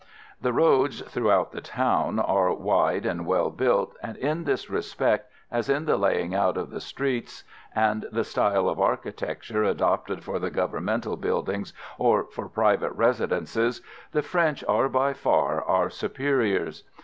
The roads throughout the town are wide and well built, and in this respect, as in the laying out of the streets, and the style of architecture adapted for the government buildings or for private residences, the French are by far our superiors.